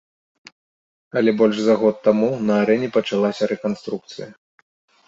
Але больш за год таму на арэне пачалася рэканструкцыя.